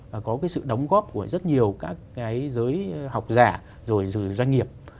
và có cái sự đóng góp của rất nhiều các cái giới học giả rồi doanh nghiệp